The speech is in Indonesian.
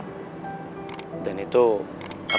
karena akan ada namanya pata hati nasional